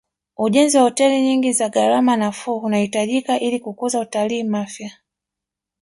ujenzi wa hoteli nyingi za gharama nafuu unahitajika ili kukuza utalii mafia